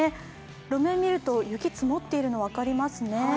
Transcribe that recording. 路面見ると雪、積もっているのが分かりますね。